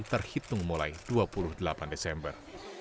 terhitung mulai dua puluh delapan desember